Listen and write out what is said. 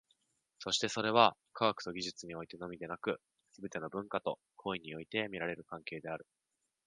そしてそれは、科学と技術においてのみでなく、すべての文化と行為において見られる関係である。